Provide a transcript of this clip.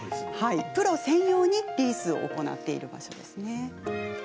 プロ専用にリースを行っている場所ですね。